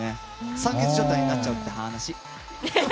酸欠状態になっちゃうという話。